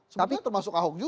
semuanya termasuk ahok juga